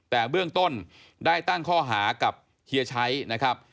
แต่เบื้องต้นได้ตั้งข้อหากับเฮียชัยนะครับ